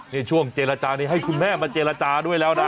ช่วงเจรจานี้ให้คุณแม่มาเจรจาด้วยแล้วนะ